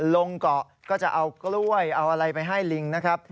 ลงเกาะก็จะเอากล้วยเอาอะไรไปให้ลิงนะครับ